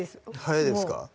早いですか